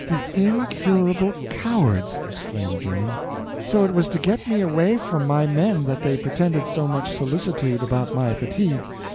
"The incurable cowards!" exclaimed Joan. "So it was to get me away from my men that they pretended so much solicitude about my fatigue.